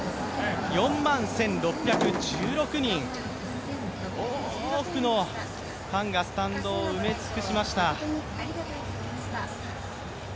４万１６１６人、多くのファンがスタンドを埋め尽くしました。